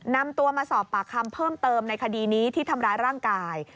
นำตัวมาสอบปากคำเพิ่มเติมในคดีนี้ที่ทำร้ายร่างกาย